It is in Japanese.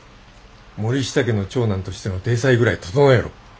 森下家の長男としての体裁ぐらい整えろ。